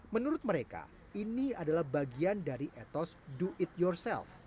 menurut mereka ini adalah bagian dari etos do it yourself